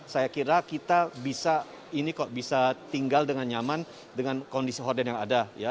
saya kira kita bisa tinggal dengan nyaman dengan kondisi horden yang ada